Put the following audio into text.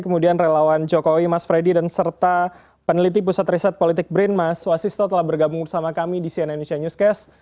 kemudian relawan jokowi mas freddy dan serta peneliti pusat riset politik brin mas wasisto telah bergabung bersama kami di cnn indonesia newscast